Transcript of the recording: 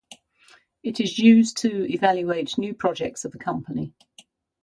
It is used to evaluate new projects of a company.